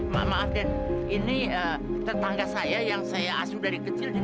maaf maaf ya ini tetangga saya yang saya asuh dari kecil